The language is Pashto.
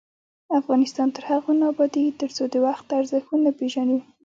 افغانستان تر هغو نه ابادیږي، ترڅو د وخت ارزښت ونه پیژنو.